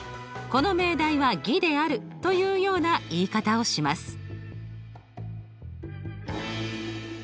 「この命題は偽である」というような言い方をします。